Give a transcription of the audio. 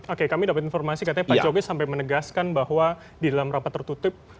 oke kami dapat informasi katanya pak jokowi sampai menegaskan bahwa di dalam rapat tertutup